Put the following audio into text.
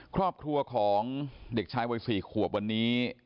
ครอบครัวของเด็กชายวัย๔ขวบวันนี้